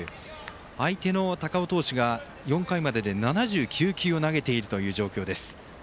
相手の高尾投手が４回までで７９球を投げている状況です。